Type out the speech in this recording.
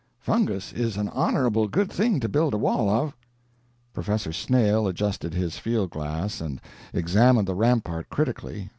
Fungus is an honorable good thing to build a wall of." Professor Snail adjusted his field glass and examined the rampart critically.